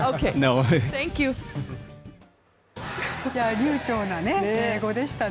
流ちょうな英語でしたね。